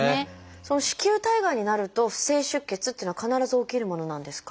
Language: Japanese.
その子宮体がんになると不正出血っていうのは必ず起きるものなんですか？